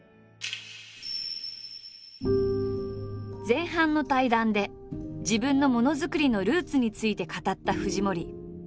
前半の対談で自分のものづくりのルーツについて語った藤森。